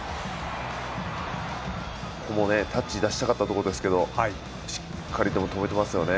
タッチ出したかったところですがしっかりと止めてますよね。